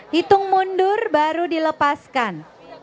hitung mundur baru dilepaskan